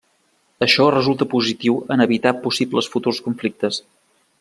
Això resulta positiu en evitar possibles futurs conflictes.